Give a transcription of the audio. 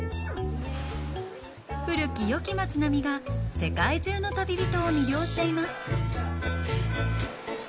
古きよき街並みが世界中の旅人を魅了しています。